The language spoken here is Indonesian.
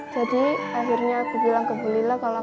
jadi akhirnya aku bilang ke belilah kalau aku mau sekolah